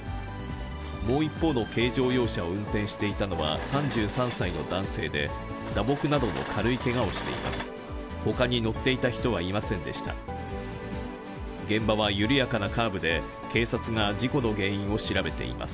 もう一方の軽乗用車を運転していたのは３３歳の男性で、打撲などの軽いけがをしています。